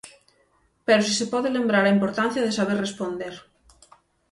Pero si se pode lembrar a importancia de saber responder.